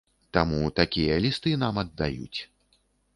Таму такія лісты нам аддаюць.